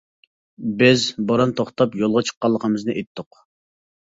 بىز بوران توختاپ يولغا چىققانلىقىمىزنى ئېيتتۇق.